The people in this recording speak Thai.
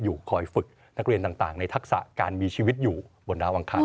คอยฝึกนักเรียนต่างในทักษะการมีชีวิตอยู่บนดาวอังคาร